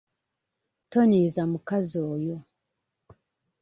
Tonyiiza mukazi oyo.